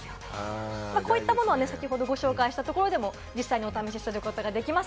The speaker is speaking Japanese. こういったものを先ほどご紹介したところでも実際、お試しすることができます。